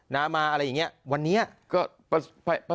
้ามาอะไรอย่างนี้วันนี้ก็